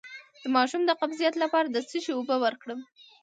د ماشوم د قبضیت لپاره د څه شي اوبه ورکړم؟